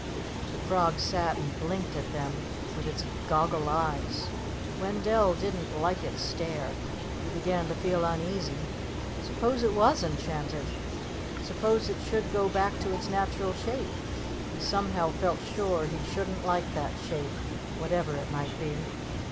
The frog sat and blinked at them with its goggle eyes. Wendell didn't like its stare. He began to feel uneasy. Suppose it was enchanted. Suppose it should go back to its natural shape. He somehow felt sure he shouldn't like that shape, whatever it might be.